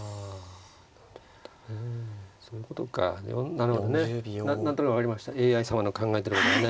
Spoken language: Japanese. なるほどね何となく分かりましたＡＩ様の考えてることがね。